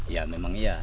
ya memang iya